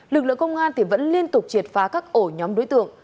lực lượng công an vẫn liên tục triệt phá các ổ nhóm đối tượng